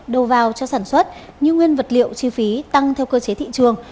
đầu vào cho sản xuất như nguyên vật liệu chi phí tăng theo cơ chế thị trường